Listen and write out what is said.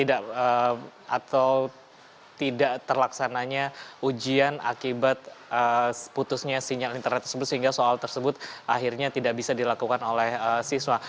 atau tidak terlaksananya ujian akibat putusnya sinyal internet tersebut sehingga soal tersebut akhirnya tidak bisa dilakukan oleh siswa